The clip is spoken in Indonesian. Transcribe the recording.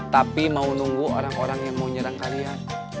tapi mau nunggu orang orang yang mau nyerang kalian